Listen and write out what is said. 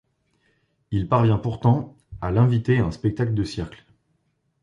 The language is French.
Il parvient pourtant à l'inviter à un spectacle de cirque.